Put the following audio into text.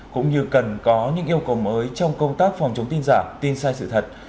cũng như cần có những yêu cầu mới trong công tác phòng chống tin giả tin sai sự thật